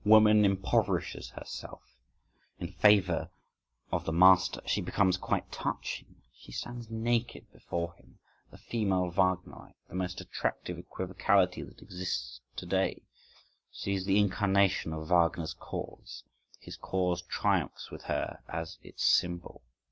Woman impoverishes herself in favour of the Master, she becomes quite touching, she stands naked before him. The female Wagnerite, the most attractive equivocality that exists to day: she is the incarnation of Wagner's cause: his cause triumphs with her as its symbol.